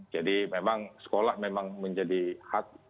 jadi memang sekolah memang menjadi hal